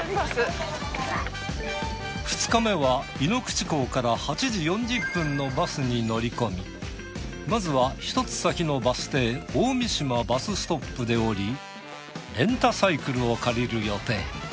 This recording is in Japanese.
２日目は井口港から８時４０分のバスに乗り込みまずは一つ先のバス停大三島バスストップで降りレンタサイクルを借りる予定。